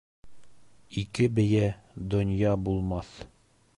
Ике бейә донъя булмаҫ.